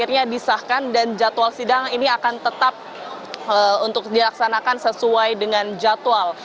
akhirnya disahkan dan jadwal sidang ini akan tetap untuk dilaksanakan sesuai dengan jadwal